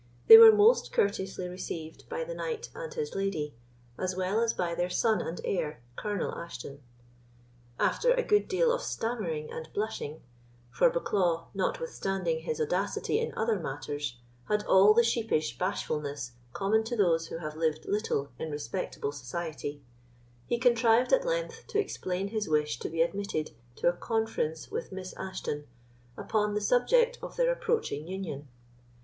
They were most courteously received by the knight and his lady, as well as by their son and heir, Colonel Ashton. After a good deal of stammering and blushing—for Bucklaw, notwithstanding his audacity in other matters, had all the sheepish bashfulness common to those who have lived little in respectable society—he contrived at length to explain his wish to be admitted to a conference with Miss Ashton upon the subject of their approaching union.